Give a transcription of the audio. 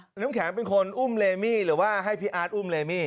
โมงแขนเป็นคนอุ้มเลมี่หรือว่าให้พี่อ๊อธอุ้มเลมี่